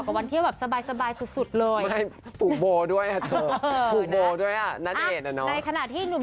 ความวิคัชใจเออนะคะม